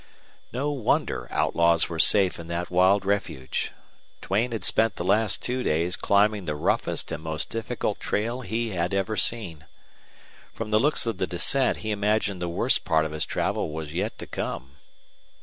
No wonder outlaws were safe in that wild refuge! Duane had spent the last two days climbing the roughest and most difficult trail he had ever seen. From the looks of the descent he imagined the worst part of his travel was yet to come.